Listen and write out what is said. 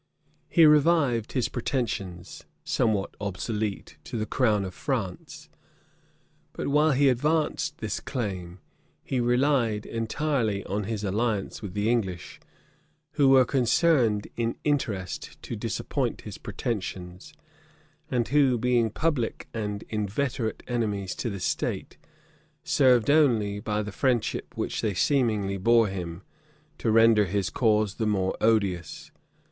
He revived his pretensions, somewhat obsolete, to the crown of France: but while he advanced this claim, he relied entirely on his alliance with the English, who were concerned in interest to disappoint his pretensions; and who, being public and inveterate enemies to the state, served only, by the friendship which they seemingly bore him, to render his cause the more odious.